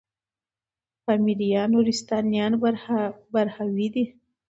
پامـــــیـــریــــان، نورســــتانــیان براهــــوی دی